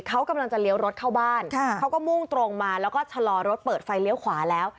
เขากำลังจะเลี้ยวรถเข้าบ้านเขาก็มุ่งตรงมาแล้วก็ชะลอรถเปิดไฟเลี้ยวขวาแล้ว